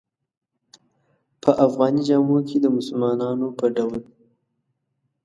په افغاني جامو کې د مسلمانانو په ډول.